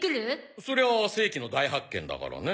そりゃあ世紀の大発見だからね。